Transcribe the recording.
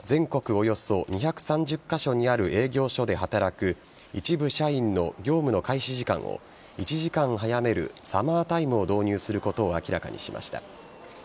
およそ２３０カ所にある営業所で働く一部社員の業務の開始時間を１時間早めるサマータイムを導入することを明らかにしました。